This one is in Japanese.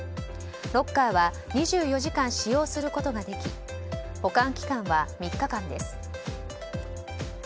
ロッカーは２４時間使用することができ保管期間は３日間です。